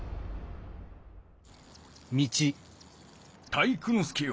体育ノ介よ。